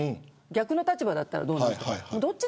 逆の立場だったらどうなのって。